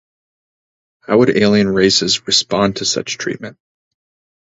How would alien races respond to such treatment?